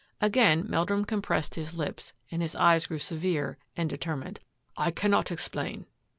Again Meldrum compressed his lips and his eyes grew severe and determined. " I cannot explain."